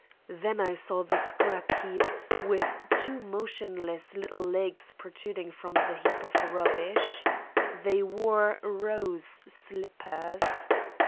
Then I saw the scrap heap, with two motionless little legs protruding from the heap of rubbish. They wore rose slippers.